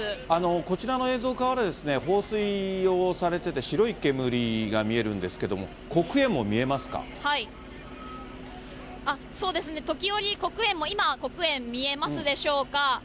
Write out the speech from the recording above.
こちらの映像からは、放水をされてて、白い煙が見えるんですが、そうですね、時折、黒煙も、今、黒煙見えますでしょうか。